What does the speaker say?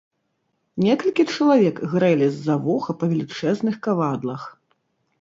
Некалькі чалавек грэлі з-за вуха па велічэзных кавадлах.